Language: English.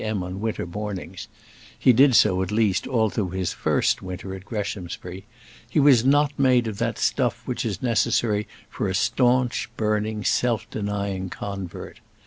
m. on winter mornings he did so, at least, all through his first winter at Greshamsbury he was not made of that stuff which is necessary for a staunch, burning, self denying convert.